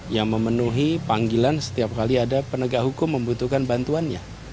yang memenuhi panggilan setiap kali ada penegak hukum membutuhkan bantuannya